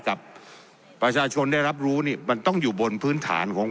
กับประชาชนได้รับรู้นี่มันต้องอยู่บนพื้นฐานของ